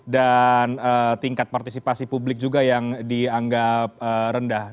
dan tingkat partisipasi publik juga yang dianggap rendah